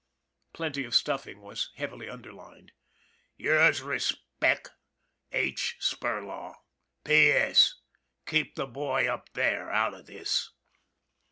('Plenty of stuffing' was heavily underscored.) Yrs. Resp., H. Spirlaw. P.S. Keep the boy up there out of this."